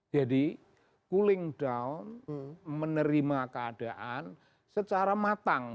jadi cooling down menerima keadaan secara matang